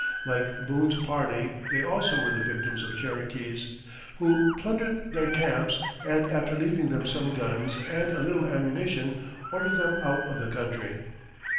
Like Boone's party, they also were the victims of Cherokees, who plundered their camps, and after leaving them some guns and a little ammunition, ordered them out of the country.